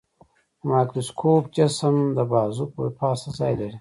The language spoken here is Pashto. د مایکروسکوپ جسم د بازو د پاسه ځای لري.